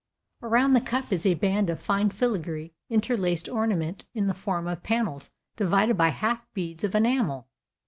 Around the cup is a band of fine filigree interlaced ornament in the form of panels divided by half beads of enamel.